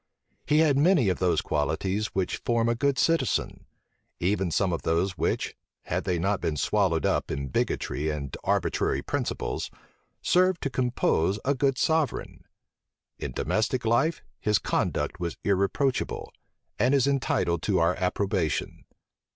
He had many of those qualities which form a good citizen: even some of those which, had they not been swallowed up in bigotry and arbitrary principles, serve to compose a good sovereign. In domestic life, his conduct was irreproachable, and is entitled to our approbation.